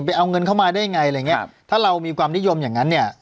เอาเงินเข้ามาได้ยังไงอะไรอย่างเงี้ครับถ้าเรามีความนิยมอย่างนั้นเนี่ย